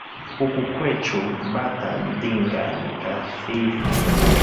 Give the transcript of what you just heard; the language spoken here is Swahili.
Huku kwechu bata ndhinga ni kathiithi